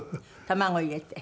卵入れて。